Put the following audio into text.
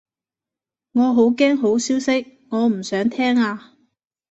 我好驚好消息，我唔想聽啊